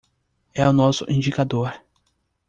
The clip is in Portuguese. É o nosso indicador